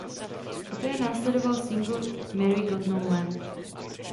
Poté následoval singl Mary Got No Lamb.